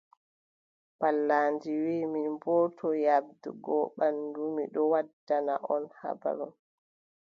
Pallandi wii, min boo, to nyaaɗgo ɓanndu, mi ɗon waddana on habaru.